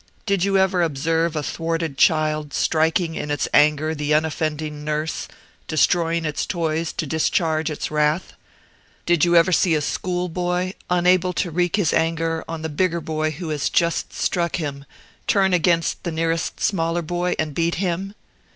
Did you ever observe a thwarted child striking in its anger the unoffending nurse, destroying its toys to discharge its wrath? Did you ever see a schoolboy, unable to wreak his anger on the bigger boy who has just struck him, turn against the nearest smaller boy and beat him?